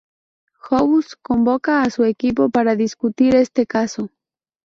House convoca a su equipo para discutir este caso.